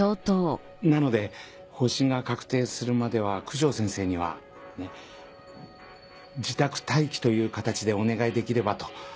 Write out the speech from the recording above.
なので方針が確定するまでは九条先生にはね。自宅待機という形でお願いできればと。